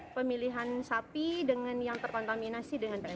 kambing kambing lainnya juga diperiksa sama yang jaga kandang ini sama kambing kambing lainnya